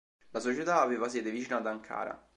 La società aveva sede vicino ad Ankara.